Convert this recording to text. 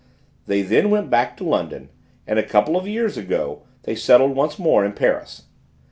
They then went back to London, and a couple of years ago they settled once more in Paris.